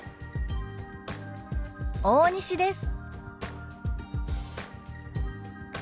大西です」。